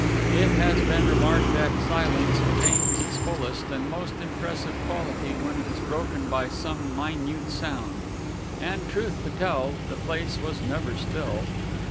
It has been remarked that silence obtains its fullest and most impressive quality when it is broken by some minute sound; and, truth to tell, the place was never still.